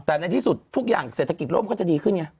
แต่ในที่สุดทุกอย่างเศรษฐกิจร่มก็จะดีขึ้นไง